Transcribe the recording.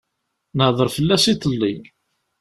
Nehder fell-as iḍelli.